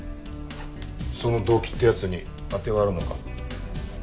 その動機ってやつに当てはあるのか？